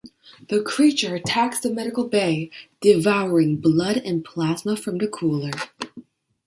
The creature attacks the medical bay, devouring blood and plasma from the cooler.